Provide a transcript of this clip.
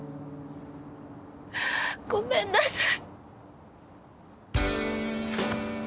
ごめんなさい！